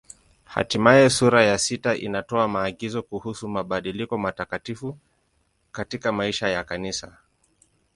Hatimaye sura ya sita inatoa maagizo kuhusu Maandiko Matakatifu katika maisha ya Kanisa.